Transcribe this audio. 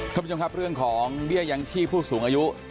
คุณผู้ชมครับเรื่องของเบี้ยยังชีพผู้สูงอายุ